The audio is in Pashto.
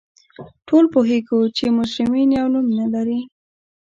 ټول پوهیږو چې مجرمین یو نوم نه لري